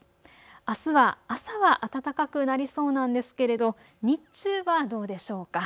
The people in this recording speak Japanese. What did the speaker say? あすは朝は暖かくなりそうなんですけれど日中はどうでしょうか。